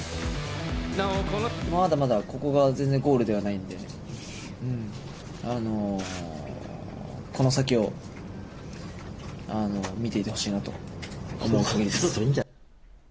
まだまだここが全然ゴールではないので、この先を見ていてほしいなと思うかぎりです。